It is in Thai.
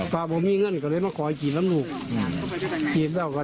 ตอนผมมีเงินก็เลยมาขอจีดยางน้ำลูก